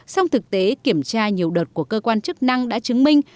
song thực tế kiểm tra nhiều đợt của cơ quan chức năng đã chứng minh